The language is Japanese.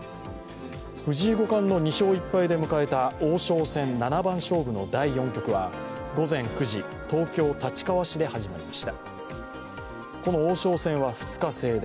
藤井五冠の２勝１敗で迎えた王将戦七番勝負の第４局は午前９時、東京・立川市で始まりました。